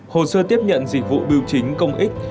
hồ sơ tiếp nhận dịch vụ biêu chính công ích